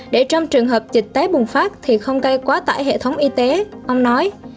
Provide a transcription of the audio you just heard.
để trong trường hợp dịch tái bùng phát thì không gây quá tải hệ thống y tế ông nói